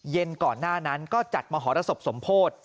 ก่อนหน้านั้นก็จัดมหรสบสมโพธิ